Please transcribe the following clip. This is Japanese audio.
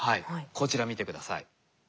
こちら見て下さい。